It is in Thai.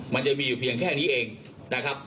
มันจะมีอยู่เพียงแค่นี้เองนะครับ